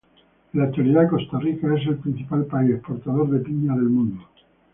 En la actualidad, Costa Rica es el principal país exportador de piña del mundo.